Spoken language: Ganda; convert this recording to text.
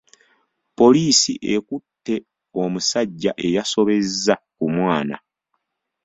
Poliisi ekutte omusajja eyasobezza ku mwana.